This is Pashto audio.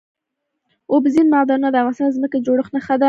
اوبزین معدنونه د افغانستان د ځمکې د جوړښت نښه ده.